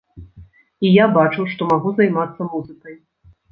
І я бачу, што магу займацца музыкай.